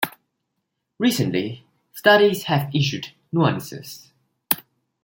Recently, studies have issued nuances.